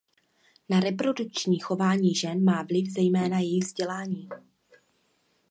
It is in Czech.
Na reprodukční chování žen má vliv zejména jejich vzdělání.